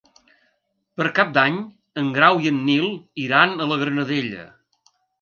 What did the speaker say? Per Cap d'Any en Grau i en Nil iran a la Granadella.